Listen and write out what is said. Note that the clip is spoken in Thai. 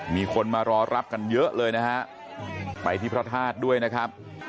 มีคนมารอรับกันเยอะเลยนะฮะไปที่พระธาตุด้วยนะครับ